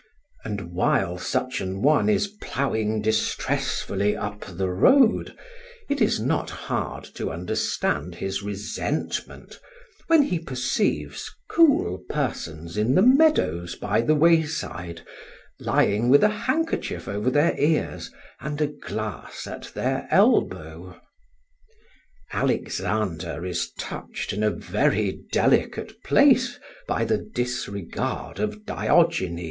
And while such an one is ploughing distressfully up the road, it is not hard to understand his resentment, when he perceives cool persons in the meadows by the wayside, lying with a handkerchief over their ears and a glass at their elbow. Alexander is touched in a very delicate place by the disregard of Diogenes.